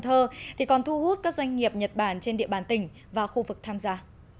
thơ thì còn thu hút các doanh nghiệp nhật bản trên địa bàn tỉnh và khu vực tham gia